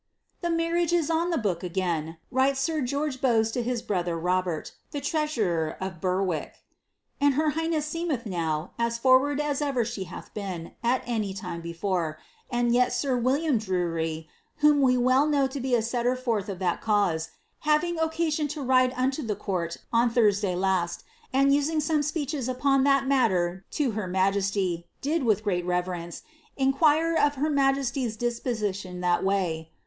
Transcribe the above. e marriage i riles Sir George Bowes to hit brother Robert, the treasurer of Berwick, " and her highness seemelh now as forward as ever she hath been, at any time before, and yel Sit William Drury, whom you well know to be a setter forth of that cause, baving occasion to ride nnto the court on Thursday last, and using some speeches upon that matier to her majesty, did, with great reverence, inquire of her majesty's disposition that way.